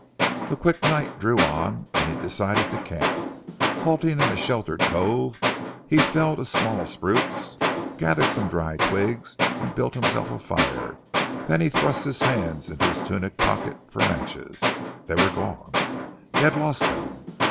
The quick night drew on, and he decided to camp. Halting in a sheltered cove he felled a small spruce, gathered some dry twigs and built himself a fire, then he thrust his hand to his tunic pocket for matches. They were gone. He had lost them.